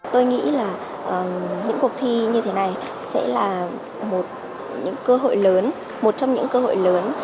tôi nghĩ là những cuộc thi như thế này sẽ là một trong những cơ hội lớn